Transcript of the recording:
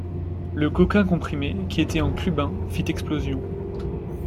Le coquin comprimé qui était en Clubin fit explosion.